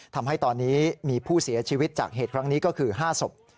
ทำให้ตอนนี้มีผู้เสียชีวิตจากเหตุครั้งนี้ก็คือ๕ศพ